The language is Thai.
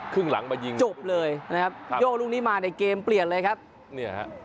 ครึ่งหลังมายิงจบเลยนะครับโยกลูกนี้มาในเกมเปลี่ยนเลยครับเนี่ยฮะ